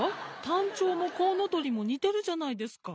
タンチョウもコウノトリもにてるじゃないですか？